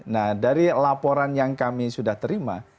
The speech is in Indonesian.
nah dari laporan yang kami sudah terima